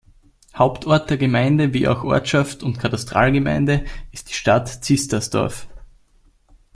Hauptort der Gemeinde wie auch Ortschaft und Katastralgemeinde ist die Stadt Zistersdorf.